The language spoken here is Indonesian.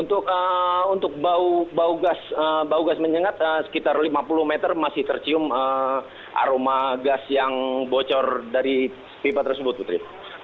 untuk bau gas menyengat sekitar lima puluh meter masih tercium aroma gas yang bocor dari pipa tersebut putri